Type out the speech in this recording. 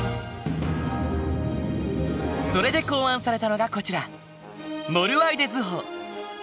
それで考案されたのがこちらモルワイデ図法。